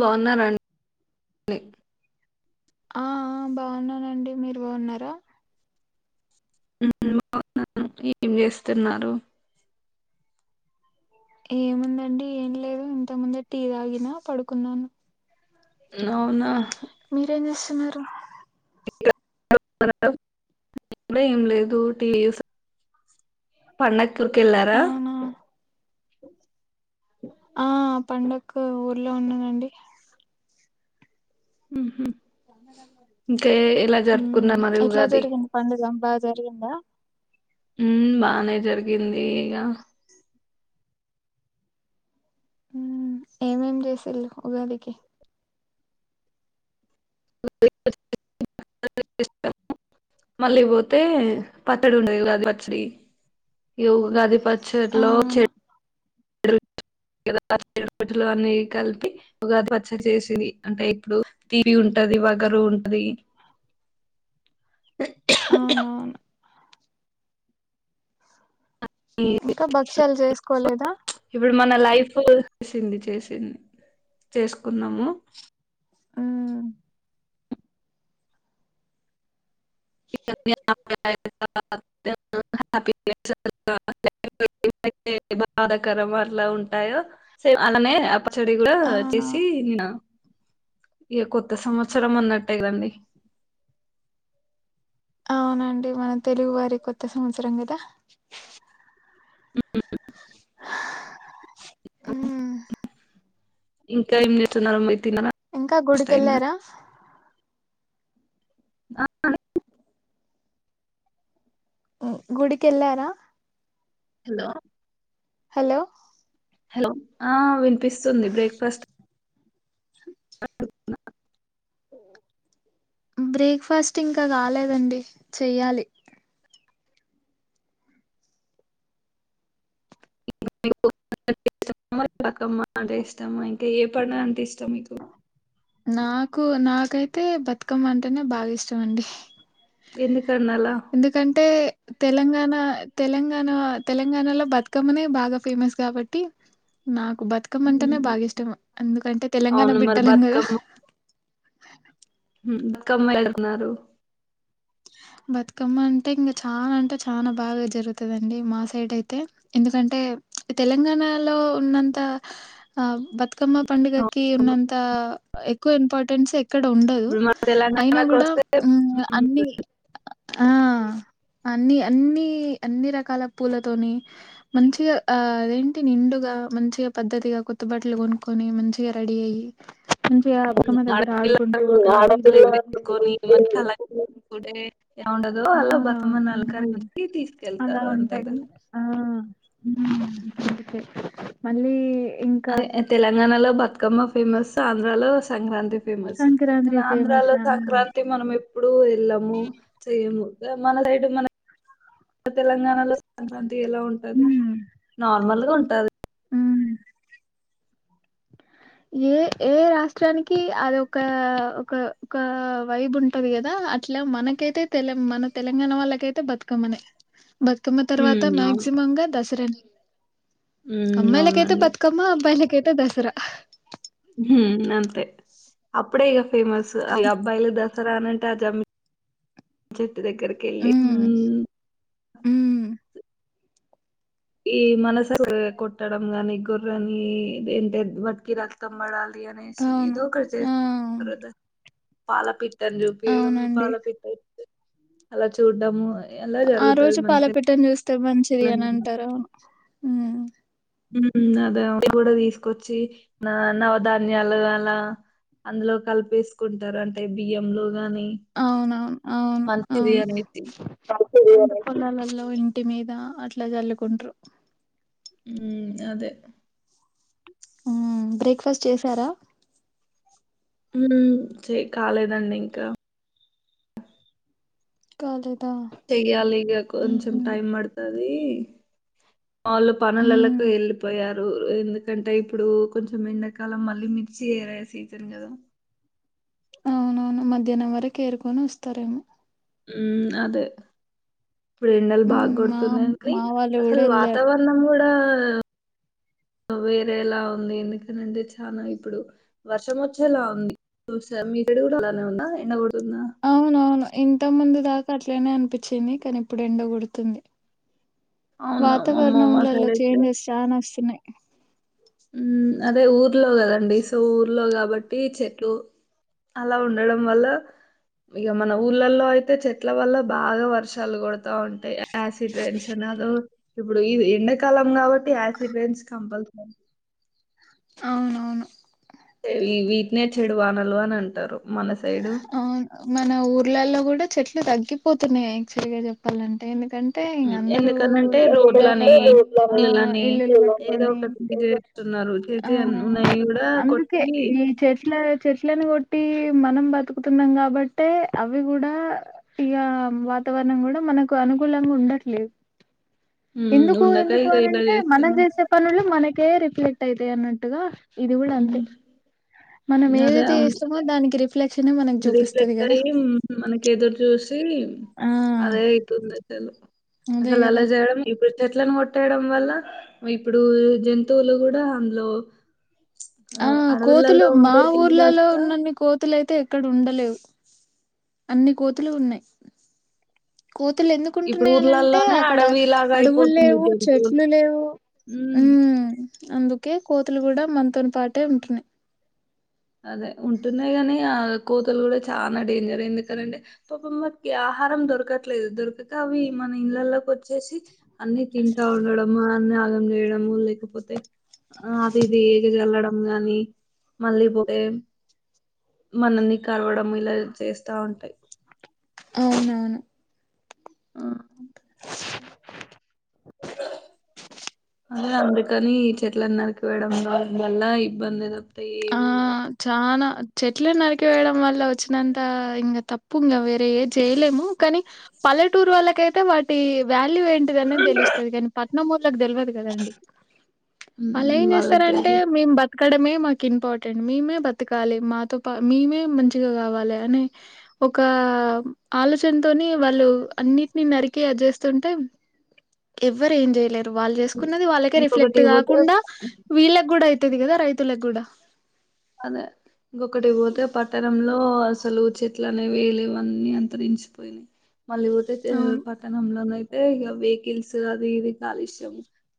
బాగున్నారా అండి ఆ ఆ బాగున్నానండి మీరు బాగున్నారా ఉమ్ బాగున్నాను అండి ఏం చేస్తున్నారు ఏముందండి ఏం లేదు ఇంత ముందే టీ తాగిన పడుకున్నాను అవునా ఉమ్ రా కూడా ఏం లేదు టీవీ చూ పండక్కి ఊరికి వెళ్ళారా అవునా! ఆ పండక్కు ఊర్లో ఉన్నానండి ఉహూ ఉమ్ జరుపుకున్నారు మరి ఎట్లా ఉగాది జరిగింది పండుగా బా జరిగిందా ఉమ్ బానే జరిగింది ఇగ ఉమ్ ఏమేం చేసిళ్లు ఉగాదికి మళ్ళీ పోతే పచ్చడి ఉండే ఉగాది పచ్చడి ఇగా ఉగాది పచ్చడి లో అవును. చెట్ కదా పలు రకాలు అన్ని కలిపి ఉగాది పచ్చడి చేసింది అంటే ఇప్పుడు తీపి ఉం టది వగరు ఉంటది అవునవును ఇంకా భక్ష్యాలు చేసుకోలేదా ఇప్పుడు మన లైఫ్ చేసింది చేసింది చేసుకున్నాము ఉమ్ [unintelligible] [unintelligible] తే బాధాకరం అట్లా ఉంటాయో సేమ్ అలానే పచ్చడి కూడా అవునా! చేసి నిన్న ఇక కొత్త సంవత్సరం అన్నట్టే కదండి అవునండి మన తెలుగు వారి కొత్త సంవత్సరం కదా హ హా ఉమ్ ఇంకా ఏం చేస్తున్నారు మీరు తిన్నారా ఇంకా ఫస్ట్ అయిందా గుడికెళ్ళారా ఆ గుడికి ఏళ్ళారా హలో హలో హలో ఆ వినిపిస్తుంది బ్రేక్ఫాస్ట్ అ బ్రేక్ఫాస్ట్ ఇంకా కాలేదండి చెయ్యాలి బతుకమ్మ అంటే ఇష్టమా ఇంకా ఏ పండు అంటే ఇష్టం నాకు నాకైతే బతుకమ్మ అంటేనే బాగా ఇష్టం అండి ఎది ఎందుకంటే తెలంగాణ తెలంగాణ తెలంగాణలో బతుకమ్మనే బాగా ఫేమస్ కాబట్టి నాకు బతుకమ్మ అంటేనే బాగా ఇష్టం ఎందుకంటే తెలంగాణ అవును మరి బిడ్డలం కదా బతుకమ్మ ఎంక ఎమ్నరు బతుకమ్మ అంటే ఇంకా చాలా అంటే చాలా బాగా జరుగుతుందండి మా సైడ్ అయితే ఎందుకంటే అంటే తెలంగాణలో ఉన్నంత ఆ బతుకమ్మ పండుగకి అవును ఉన్నంత ఎక్కువ ఇంపార్టెన్స్ ఎక్కడ ఉండదు ఇప్పుడు మన అయినా తెలంగాణకు కూడా వస్తే ఉమ్, అన్ని ఆ అన్ని అన్ని అన్ని రకాల పూలతోని మంచిగా ఆ అదేంటి నిండుగా ఎంక మంచిగా పద్దతిగా కొత్తబట్టలు కొనుక్కొని మంచిగా రెడీ అయ్యి మంచిగా బతుకమ్మ దగ్గర ఆడుకుంటూ ఆడపిల్లలకు బట్టలు ఎగరేసుకొని మంచి అలంకరించుకుంటే ఎలా ఉండదో అలా బతుకమ్మను అవునవును అలంకరించి అలా తీసుకెళ్తారు అంతే కదా ఉంటది ఆ అందుకే మళ్ళీ ఇంకా తెలంగాణలో బతుకమ్మ ఫేమస్ ఆంధ్రాలో సంక్రాంతి ఫేమస్ సంక్రాంతి కానీ ఆంధ్రాలో ఫేమసా సంక్రాంతి మనం ఎప్పుడూ వెళ్ళాము చెయ్యము మన సైడ్ మన తెలంగాణలో సంక్రాంతి ఎలా ఉంటది ఉమ్ నార్మల్ గా ఉంటది ఉమ్. ఏ ఏ రాష్ట్రానికి అదిఒకా ఒక ఒక వైబ్ ఉంటది కదా అట్లా మనకైతే తెల మన తెలంగాణ వాళ్ళకైతే బతుకమ్మనె బతుకమ్మ తర్వాత ఉమ్, అవును మాక్సిమం గా దసరా ఉమ్ అవునండి అబ్బాయిలకైతే దసరా హుం అంతే అప్పుడే ఇగా ఫేమస్ ఇగా అబ్బాయిల ద రానంటే ఆ జమ్ దగ్గరకి ఎళ్ళి ఉమ్ ఉమ్, ఈ మనస కొట్టడం గాని గుర్రని ఏంటే మతికి రక్తంబడాల బియ్యం వేసి అవును ఏదో ఒకటి చే ఆ పాలపిట్ట అని చూపించయడము అవునండి పాలపిట్ట అలా చూడడాము ఆ రోజు పాల పెట్టని చూస్తే మంచిది అని తెలంగాణ అంటారు అవును అదే అవి కూడా తీసుకొచ్చి నవధాన్యాలు అలా అందులో కలిపేసుకుంటారు అంటే బియ్యం లో అవునవును అవును అవును అనేసి. పొలాలలో ఇంటి మీద అట్లా చల్లుకుంటారు ఉ అదే బ్రేక్ఫాస్ట్ చేసారా ఏ కాలేదండి ఇంకా కాలెదు చెయ్యాలి ఇంక కొంచెం టైం పడుతది వాళ్ళు పనులలకు ఉమ్ వెళ్ళిపోయారు ఎందుకంటే ఇప్పుడు కొంచెం ఎండాకాలం మళ్ళీ సీజన్ నే సీజన్ కదా అవునవును మధ్యాహ్నం వరకు ఏరుకొని వస్తారేమో ఉమ్ అదే ఇప్పుడు ఎండలు బాగ హ్మ్. మా కొడుతున్నాయి మా వాళ్ళు కూడా అసలు వెళ్ళారు వాతావరణం కూడా వేరేలా ఉంది ఎందుకని అంటే చానా ఇప్పుడు వర్షం వచ్చేలా ఉంది మీ సైడ్ కూడా ఇలానే ఉందా ఎండ కో అవునవును ఇంత ముందు దాకా అట్లనే అనిపించింది కానీ ఇప్పుడు ఎండ గోడుతుంది అవునా! అమ్మో! మా వాతావరణంలలో సైడ్ అయితే చేంజెస్ చానా వస్తున్నాయి అదే ఊర్లో కదండి సో ఊర్లో కాబట్టి చెట్లు అలా ఉండడం వల్ల ఇక మన ఊర్లలో అయితే చెట్ల వల్ల బాగా వర్షాలు కొడతా ఉంటాయి యాసిడ్ రైన్స్ అన అదో ఇప్పుడు ఈ ఎండాకాలం కాబట్టి యాసిడ్ రైన్స్ కంపల్సరీ అవునవును ఈ వీటినె చెడు వానలు అని అంటారు మన సైడు. ఆ మన ఊర్లలో కూడా చెట్లు తగ్గిపోతున్నాయి యాక్చువల్ గా చెప్పాలంటే ఎందుకంటే ఇక హ్మ్. అందరూ ఎందుకనంటే రోడ్లని, ఇల్లులని ఇల్లులు ఏదో పెట్టుకోని ఒకటి జేస్తున్నారు. చేసి అన్ ఆహా ఉన్నయి గూడా అందకే కొట్టి ఈ చెట్ల చెట్లలను కొట్ ట్టి మనం బతు కుతున్నాం కాబట్టి అవి కూడా ఇక వాతావరణం కూడా మనకు అనుకూలంగా ఉండ ట్లే హ్మ్. ఎందుకు ఉండక ఎందుకు ఇగ అని ఇలా అంటే మనం జేస్తున్నారు. చేసే పనులు మన కే రిప్లీట్ యితే అన్నట్టుగా ఇది కూడా హ్మ్. అంతే మనం ఏదైతే చేస్తామో దానికి రి రీ రిఫ్లెక్ట్ అయి మనకే ఎదురు చూసి ఆ అదే అయితుంది అసలు అదే అ అలా కదా జేయడం ఇప్పుడు చెట్లను కొట్టేయడం వల్ల ఇప్పుడు జంతువులు కూడా అందులో ఆ కోతులు అడవులలో మా ఉండేటివి ఊర్లలో కాస్త ఉన్నన్ని కోతులుయితే ఎక్కడ ఉండలేవు అన్ని కోతులు ఉన్నాయి కోతులు ఎందుకు ఇప్పుడు ఉంటున్నాయనింటే ఊర్లలోనే అక్కడ అడవిలాగా అడవులు లేవు చెట్లు లేవు ఉమ్ అందుకే కోతులు కూడా మనతోని పాటే ఉంటున్నాయి అదే ఉంటున్నాయి గాని ఆ కోతులు కూడా చాలా డేంజర్ ఎందుకనింటే పాపమ్మ ఆహారం దొరకట్లేదు దొరికితే అవి మన ఇళ్లల్లోకి వచ్చేసి అన్ని తింటా ఉండడం అన్నా అన్ని అన్ని లేకపోతే అది ఇది వెళ్ళడం గాని మళ్ళీ అ మనల్ని కలవడం ఇలా చేస్తా ఉంటాయి అవునవును ఆ అ అదే అందుకని ఈ చెట్లను నరికేయడంలో అందువల్ల ఇబ్బంది ఆ ఏముండదు చానా చెట్లు నరికివేయడం వల్ల వచ్చినంత ఇంకా తప్పు ఇంకా వేరే ఏ చేయలేము కానీ పల్లెటూరోళ్ళకైతే వాటి వ్యా ల్యూ ఏంటిది అనేది తెలుస్తుంది కానీ పట్నం వొళ్ళకి తెలవదు కదండి వాళ్ళు ఏం వాళ్ళకి చేస్తారంటే తెలుసు మేము బతకడమే మా కు ఇంపార్టెంట్ మేమే బతకాలి మాతో పా మేమే మంచిగా కావాలి అనే ఒక ఆ ఆలోచనతోని వాళ్ళు అన్నిటిని నరికి అ చేస్తుంటే ఎవ్వరు ఏం చేయలేరు వాళ్ళు చేసుకున్నది వాళ్ళకే రిఫ్లెక్ట్ ఇంకొకటి పోతే కాకుండా వీళ్ళకి కూడా అవుతది కదా రైతులకు కూడా అదే ఇంకొకటి పోతే పట్టణంలో అసలు చెట్లనే వేయలేవన్నీ అంతరించిపోయినాయి మళ్ళీ పోతే అవును పట్టణం లోన అయితే ఇక వెహికల్స్ అది ఇది కాలుష్యం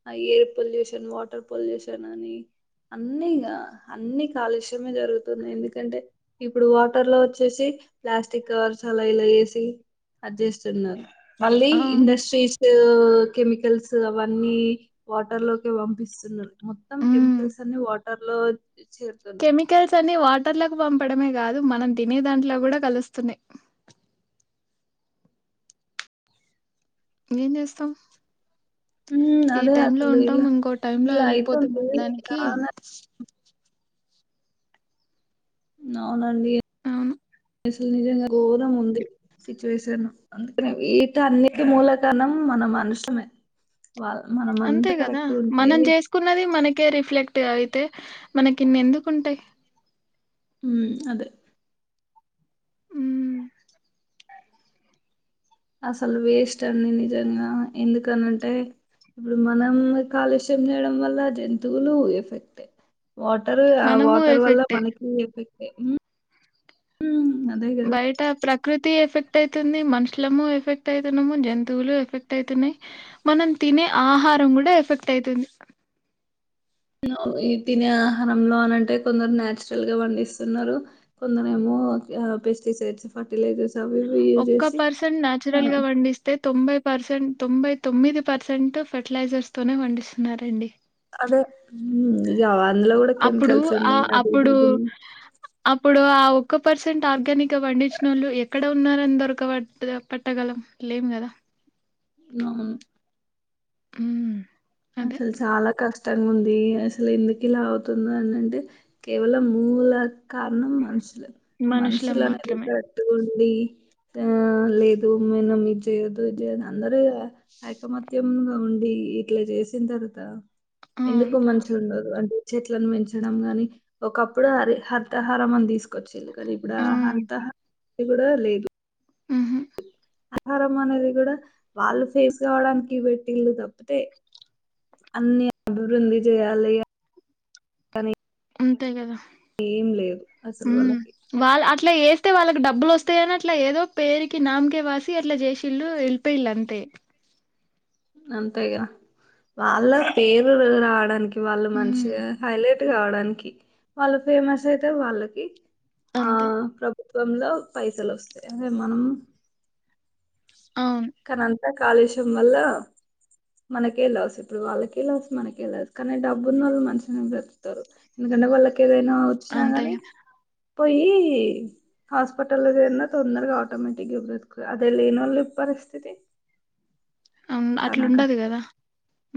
ఆ ఎయిర్ పొల్యూషన్ వాటర్ పొల్యూషన్ అని అన్ని ఇక అన్ని చలుషమే జరుగుతున్నాయి ఎందుకంటే ఇప్పుడు వాటర్ లో వచ్చేసి ప్లాస్టిక్ కవర్స్ అలాలా అ చేస్తున్నారు మళ్ళీ అవును ఇండస్ట్రీస్ ల్ అ వాట పంపిస్తు ఉమ్ మమల్స్ అ లో చేరుతున్నాయి కెమికల్స్ అని వా అతర్లకు పంపడమే కాదు మనం తినే దాంట్లో కూడా కలుస్తున్నాయి ఏం చేస్తాం హ్మ్. ఈ అదే టైమ్ లో అసలు ఉంటాం ఇలా, ఇంకో టై లో ఇలా వెళ్ళిపోతాం అయితుంది అనడానికి చాలా అవునండి ఉమ్ లు నిజంగా ఘోరం ఉంది సిచ్యువేషన్ అందుకని వీట అన్నిటి మూలకనంన మనుషమ అంతే కదా మనం చేసుకున్నది మనకే రిఫ్లెక్ట్ అయితే మనకిన్ని ఎందుకుంటాయి ఉ అదే హ్మ్. అసలు వేస్ట్ అండి నిజంగా ఎందుకన అంటే ఇప్పుడు మనం కాలుష్యం చేయడం వల్ల జంతువులు ఎఫెక్ట్ వాటర్ ఆ మనము వాటర్ వల్ల ఎఫెక్టే. మనకి ఎఫెక్ట్ బయట ప్రకృతి ఎఫెక్ట్ అయితుంది మనుషులము ఎఫెక్ట్ అయి ము జంతువులు ఎఫెక్ట్ అవుతున్నాయి మనం తినే ఆహారం కూడా ఎఫెక్ట్ అవుతుంది ఈ తినే ఆహారంలో అనింటే కొందరు నాచురల్ గా పండిస్తున్నారు కొందరు ఏమో ప పెస్టిసైడ్స్ ఫర్టిలైజర్స్ అవి ఇవి యూజ్ ఒక్క చేసి పర్సెంట్ ఆ, నచురల్ గా పండిస్తే తొంబై పర్సెంట్ తొంభై తొమ్మిది పర్సెంట్ ఫర్టిలైజర్స్ తోనే పండిస్తున్నారండి అదే ఉమ్, ఇక అందులో కూడా అప్పుడు కెమికల్స్ ఆ ఉన్నాయి అది ఇది అప్పుడు ఇది. ఇప్పుడు ఆ ఒక్క పర్సెంట్ ఆర్గానిక్ వండిజ నోళ్ ఎక్కడ ఉన్నారని దొరకబ పట్టగలం లేము కదా అవును ఉమ్ అసలు చాలా కష్టం కష్టంగా ఉంది అసలు ఎందుకు ఇలా అవుతుంద అనింటే కేవలం మూల కారం మనషల మనుషులం మనషలనేది మాత్రమే డి ఆ లేదు మేను మీ చేయొదుది చేయదు అందరు ఐకమత్యగా ఉండి ఇట్లా చేసిన తర్వాత అవును. ఎందుకు మనసు ఉండదు అంట చెట్లను పెంచడం ని ఒకప్పుడు హరి హర్తహారం అని తీసుకొచ్చిళ్ళ రి ఇప్పుడు ఆ! ఆహారతహ కూడా లేదు ఆహా ఆహారం అనేది కూడా వాళ్ళు ఫేస్ కావడానికి పెట్టిళ్ళు తప్పితే అన్ని అభివృద్ధి చేయాలినీ ఉంతే కదా అసలు వాళ్ళకి వాళ అట్లా ఏ అయితే వాళ్ళకి డబ్బులు వస్తాయని అట్లా ఏదో పేకి నామకే వాసి అట్లా చేసిళ్ళలు వెళ్ళిపోయిళ్ళు అంతే అంతే కదా వాళ్ళ పేరు రావడానికి వాళ్ళు హ్మ్. మంచిగా హైలైట్ కావడానికి వాళ్ళ ఫేమస్ అయితే వాళ్ళకి ఆ అంతే. ప్రు ప్రభుత్వంలో పైసలు వస్తాయి అదే మనం అవును కాళషమ్మల్ల మనకే లాస్ ఇప్పుడు వాళ్ళకే లాస్ మనకే లాస్ కానీ డబ్బున్న వాళ్ళు మనిషిని బ్రతుకుతారు ఎందుకంటే వాళ్ళకి ఏదైనా వచ్చినా అంతే గానీ గదా! పోయి హాస్పిటల్లో జేరినా తొందరగా ఆటోమేటిక్గా బ్ర అదే లేని వాళ్ళ పరిస్థి అతే అవు అట్లా ఉండదు కదా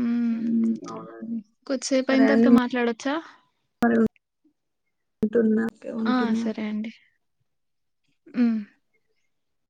ఉ ఉమ్ అవునండి కొద్దిసేపు అయిన తర్వాత మాట్లాడొచ్చా అడుగు టు నాకే ఉంటుంది మరి ఉమ్